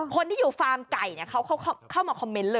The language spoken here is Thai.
คนที่อยู่ฟาร์มไก่เขาเข้ามาคอมเมนต์เลย